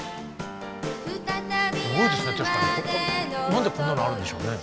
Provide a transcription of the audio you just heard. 何でこんなのあるんでしょうね。